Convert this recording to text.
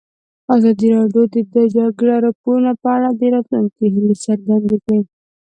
ازادي راډیو د د جګړې راپورونه په اړه د راتلونکي هیلې څرګندې کړې.